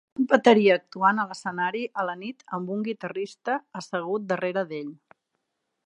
Un bateria actuant a l'escenari a la nit amb un guitarrista assegut darrere d'ell